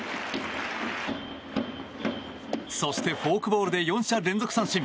そして、フォークボールで４者連続三振。